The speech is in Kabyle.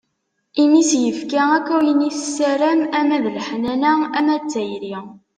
Imi i s-yefka akk ayen i tessaram ama d leḥnana, ama d tayri.